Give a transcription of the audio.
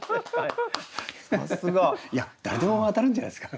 いや誰でも当たるんじゃないですか？